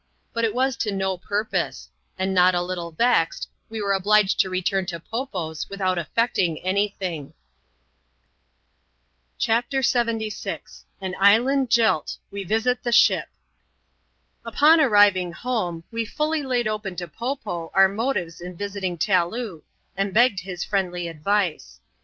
But it was to no purpose ; and not a little vexed, we were obliged to return to Po Po's without effecting any thing. US 292 ADVENTURES IN THE SOUTH SEAS. [chap, lxxvl CHAPTER LXXVI. An Island Jilt. — We visit the Ship. Upon arriving home, we fuUj 'laid open to Po Po our motives in visiting Taloo, and begged his friendly advice.